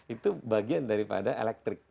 itu bagian daripada elektrik